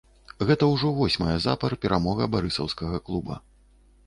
Гэта ўжо восьмая запар перамога барысаўскага клуба.